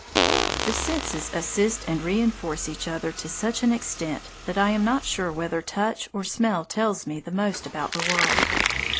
The senses assist and reinforce each other to such an extent that I am not sure whether touch or smell tells me the most about the world.